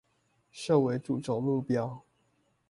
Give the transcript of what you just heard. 設為主軸目標